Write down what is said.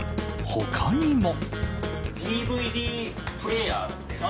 他にも。